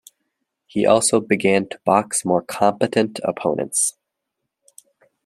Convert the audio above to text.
He also began to box more competent opponents.